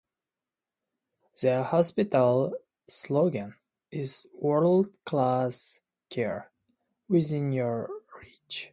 The hospital slogan is "World Class Care Within Your Reach".